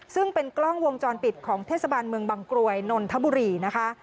ซึ่งเป็นกล้องวงจรปิดของเทศบาลเมืองบังกรวยนนทบุรีนะคะ